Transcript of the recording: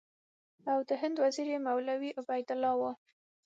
او د هند وزیر یې مولوي عبیدالله و.